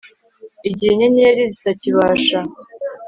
igihe inyenyeri zitakibasha